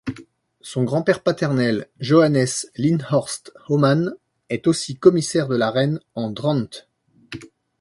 Son grand-père paternel, Johannes Linthorst Homan, est aussi Commissaire de la reine en Drenthe.